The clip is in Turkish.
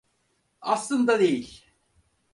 Aslında değil.